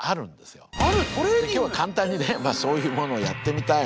今日は簡単にねそういうものをやってみたいなと思って。